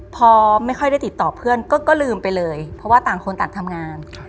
พอไม่ค่อยได้ติดต่อเพื่อนก็ลืมไปเลยเพราะว่าต่างคนต่างทำงาน